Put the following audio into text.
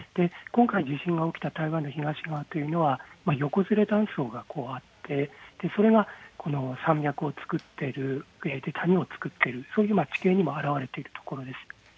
今回、地震が起きた台湾の東側というのは横ずれ断層があってそれが山脈を作っている、谷を作っている、そういう地形にも表れているところです。